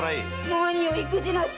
何よ意気地なし！